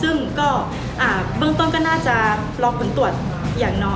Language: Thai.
ซึ่งก็เบื้องต้นก็น่าจะรอผลตรวจอย่างน้อย